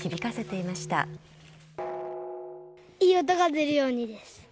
いい音が出るようにです。